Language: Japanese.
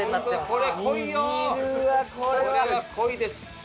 これは濃いです。